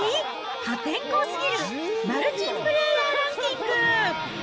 破天荒すぎるマル珍プレーヤーランキング。